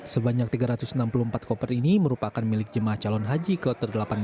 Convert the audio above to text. sebanyak tiga ratus enam puluh empat koper ini merupakan milik jemaah calon haji kloter delapan belas